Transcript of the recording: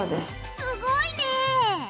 すごいね。